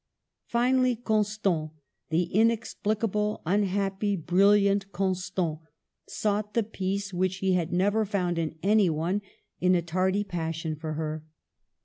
Finally Constant, the inexplicable, unhappy, brilliant Constant, sought the peace which he had never found in anyone in a tardy passion for her.